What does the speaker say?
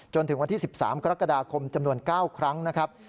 จนถึงวันที่๑๓กรกฎาคมจำนวน๙ครั้งนะครับ